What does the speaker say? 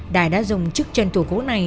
đài đã dùng chức chân thủ gỗ này